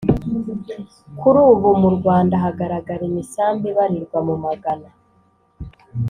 Kuri ubu mu Rwanda hagaragara imisambi ibarirwa mu Magana